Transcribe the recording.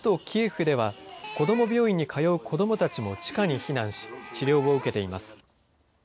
キエフでは子ども病院に通う子どもたちも地下に避難し治療を受けています。